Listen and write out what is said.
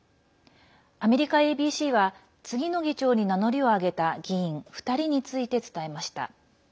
アメリカＡＢＣは次の議長に名乗りを上げた議員２人について伝えました。